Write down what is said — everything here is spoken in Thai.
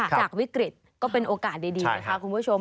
จากวิกฤตก็เป็นโอกาสดีนะคะคุณผู้ชม